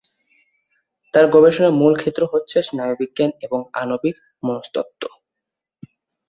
তাঁর গবেষণার মূল ক্ষেত্র হচ্ছে স্নায়ুবিজ্ঞান এবং আণবিক মনস্তত্ত্ব।